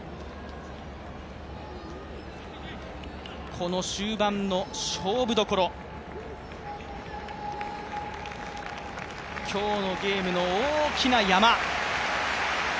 この終盤の勝負どころ、今日のゲームの大きな山。